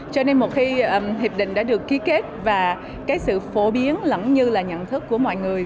cho nên một khi hiệp định đã được ký kết và cái sự phổ biến lẫn như là nhận thức của mọi người